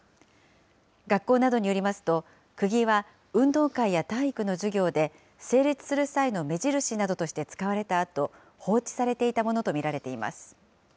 学校などによりますと、くぎは運動会や体育の授業で、整列する際の目印などとして使われたあと、放置されていたものと見られています。